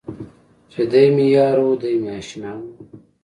چې دی مې یار و، دی مې اشنا و.